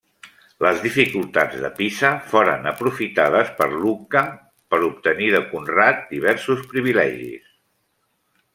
Les dificultats de Pisa foren aprofitades per Lucca per obtenir de Conrad diversos privilegis.